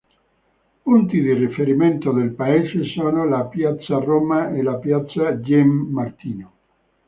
Punti di riferimento del paese sono la piazza Roma e la piazza Gen. Martino.